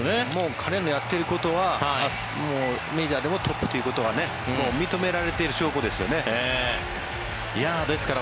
彼のやっていることはメジャーでもトップということは認められている証拠ですよね。